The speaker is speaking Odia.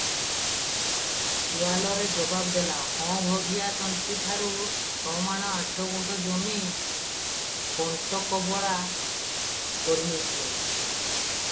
ସୁଆଲରେ ଜବାବ ଦେଲା, "ହଁ ଭଗିଆ ତନ୍ତୀଠାରୁ ଛମାଣ ଆଠଗୁଣ୍ଠ ଜମି କଣ୍ଟ କବଲା କରିନେଇଥିଲେ ।